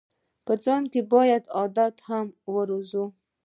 په ځان کې باید دا عادت هم وروزو.